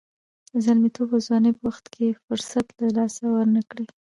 د زلمیتوب او ځوانۍ په وخت کې فرصت له لاسه ورنه کړئ.